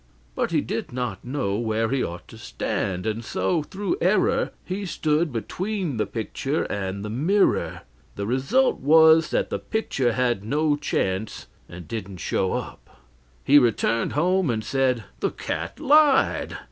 But he did not know where he ought to stand; and so, through error, he stood between the picture and the mirror. The result was that the picture had no chance, and didn't show up. He returned home and said: "The cat lied.